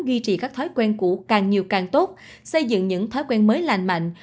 duy trì các thói quen cũ càng nhiều càng tốt xây dựng những thói quen mới lành mạnh